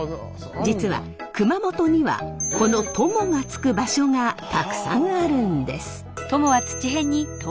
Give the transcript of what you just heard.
実は熊本にはこの「塘」が付く場所がたくさんあるんです。